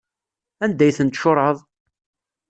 Anda ay ten-tcuṛɛeḍ?